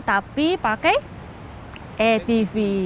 tapi pakai etv